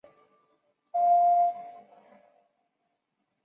大部分组成部分已经成为独立国家。